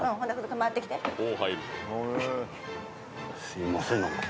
すいません何か。